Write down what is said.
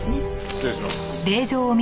失礼します。